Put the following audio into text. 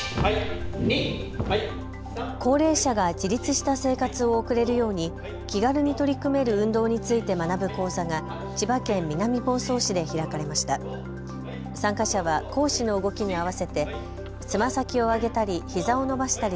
高齢者が自立した生活を送れるように気軽に取り組める運動について学ぶ講座が千葉県南房総市で開かれました。